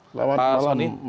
selamat malam mas indra